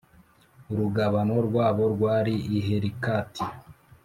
Urugabano rwabo rwari i Helikati